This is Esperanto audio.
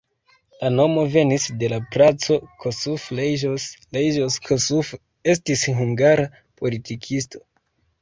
La nomo venis de la Placo Kossuth Lajos, Lajos Kossuth estis hungara politikisto.